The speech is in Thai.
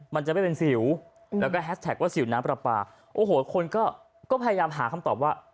มันจะไม่เป็นสิวแล้วก็แฮสแท็กว่าสิวน้ำปลาปลาโอ้โหคนก็พยายามหาคำตอบว่า